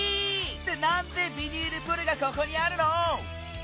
ってなんでビニールプールがここにあるの？